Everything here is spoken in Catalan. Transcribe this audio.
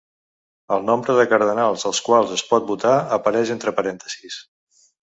El nombre de cardenals als quals es pot votar apareix entre parèntesis.